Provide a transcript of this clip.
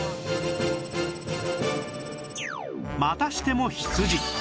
またしても羊